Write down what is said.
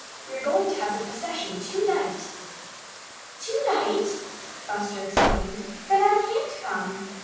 "We're going to have the procession to night." "To night!" Buster exclaimed. "Then I can't come.